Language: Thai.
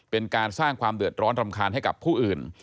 เป็นการสร้างความเดือดร้อนรำคาญให้กับผู้อื่น